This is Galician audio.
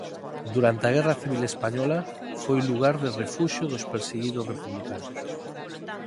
Durante a Guerra Civil española foi lugar de refuxio dos perseguidos republicanos.